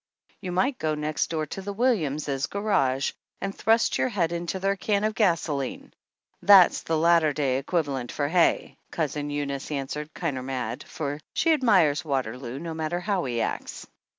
"You might go next door to the Williams' garage and thrust your head into their can of gasolene that's the latter day equivalent for hay !" Cousin Eunice answered kinder mad, for she admires Waterloo, no matter how he acts.